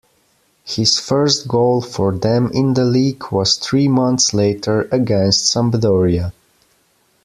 His first goal for them in the league was three months later, against Sampdoria.